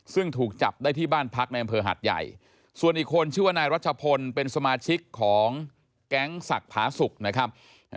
ซึ่งถูกจับได้ที่บ้านพักในอำเภอหัดใหญ่ส่วนอีกคนชื่อว่านายรัชพลเป็นสมาชิกของแก๊งศักดิ์ผาสุกนะครับ